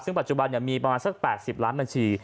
ซึ่งปัจจุบันมีประมาณสัก๘๐ล้านบัญชี